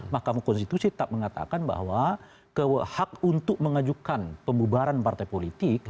mahkamah konstitusi tetap mengatakan bahwa hak untuk mengajukan pembubaran partai politik